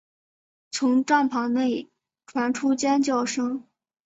从帐篷内传来尖叫声